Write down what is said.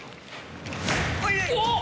おっ！